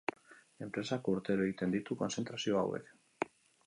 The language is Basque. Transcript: Enpresak urtero egiten ditu kontzentrazio hauek.